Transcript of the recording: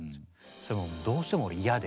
それもうどうしても嫌で。